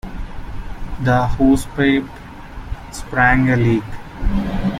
The hosepipe sprang a leak.